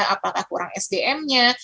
apakah kurang sdm nya